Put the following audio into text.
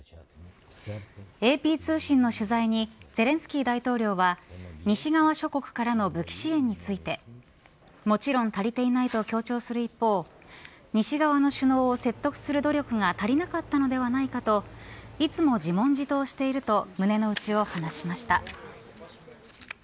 ＡＰ通信の取材にゼレンスキー大統領は西側諸国からの武器支援についてもちろん足りていないと強調する一方西側の首脳を説得する努力が足りなかったのではないかといつも自問自答していると胸のうちを話しました。